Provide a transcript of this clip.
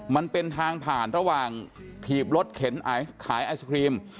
มันเป็นทางผ่านระหว่างถีบรถเข็นขายไอศครีม